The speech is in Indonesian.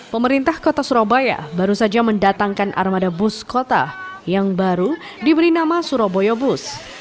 pemerintah kota surabaya baru saja mendatangkan armada bus kota yang baru diberi nama surabaya bus